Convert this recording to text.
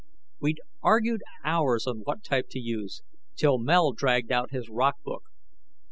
We'd argued hours on what type to use, till Mel dragged out his rock book.